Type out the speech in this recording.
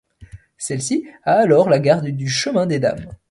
Celle-ci a alors la garde du Chemin des Dames.